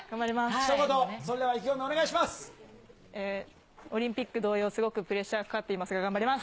ひと言、オリンピック同様、すごくプレッシャーがかかっていますが、頑張ります。